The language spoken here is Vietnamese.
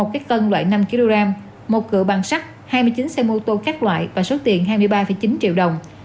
một cái tân loại năm kg một cửa bằng sắt hai mươi chín xe mô tô các loại và số tiền hai mươi ba chín triệu đồng